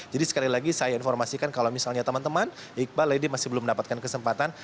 jadi sekali lagi saya informasikan kalau misalnya teman teman iqbal lady masih belum mendapatkan kesempatan